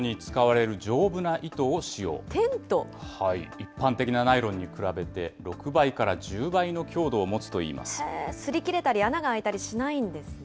一般的なナイロンに比べて、６倍から１０倍の強度を持つといいますり切れたり、穴が開いたりしないんですね。